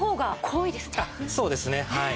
そうですねはい。